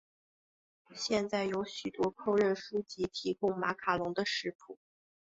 现在有许多烹饪书籍提供马卡龙的食谱。